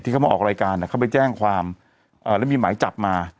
เขามาออกรายการเขาไปแจ้งความแล้วมีหมายจับมา